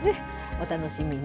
お楽しみに。